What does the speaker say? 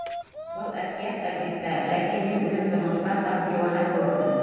Был әкиәт, әлбиттә, ләкин мин үҙем тормошта тап диуана кеүекмен.